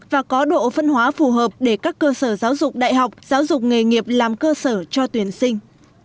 và có độ phân hóa phù hợp để các cơ sở giáo dục đại học giáo dục nghề nghiệp làm cơ sở cho tuyển sinh